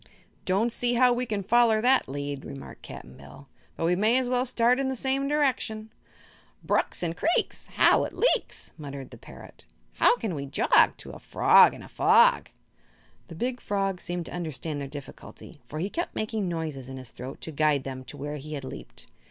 "Don't see how we can foller that lead," remarked Cap'n Bill; "but we may as well start in the same direction." "Brooks and creeks, How it leaks!" muttered the parrot; "How can we jog To a frog in a fog?" The big frog seemed to understand their difficulty, for he kept making noises in his throat to guide them to where he had leaped.